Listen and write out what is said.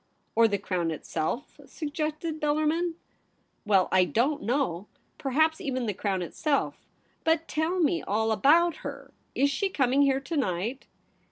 ' Or the Crown itself ?' suggested Bellar min. ' Well, I dont know. Perhaps even the Crown itself. But tell me all abotct her. Is she coming here to night